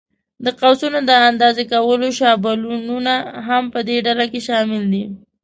د قوسونو د اندازې کولو شابلونونه هم په دې ډله کې شامل دي.